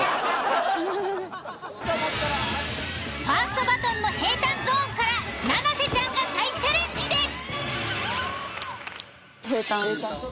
ファーストバトンの平坦ゾーンから七瀬ちゃんが再チャレンジです。